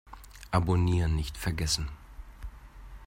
Abonnieren nicht vergessen!